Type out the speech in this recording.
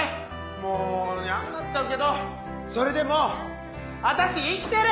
もうやんなっちゃうけどそれでも私生きてる！